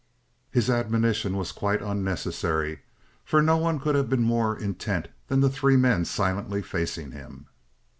His admonition was quite unnecessary, for no one could have been more intent than the three men silently facing him.